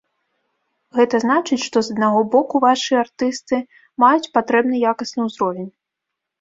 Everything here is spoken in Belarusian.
Гэта значыць, што з аднаго боку вашыя артысты маюць патрэбны якасны ўзровень.